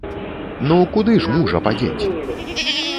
Ну куды ж мужа падзець?